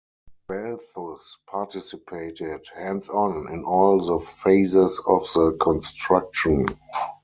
Balthus participated "hands on" in all the phases of the construction.